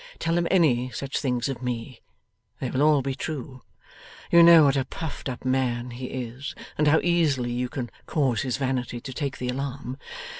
Tell him any such things of me; they will all be true. You know what a puffed up man he is, and how easily you can cause his vanity to take the alarm.